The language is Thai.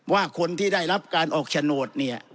ว่าคนที่ได้รับการออกชะโนธ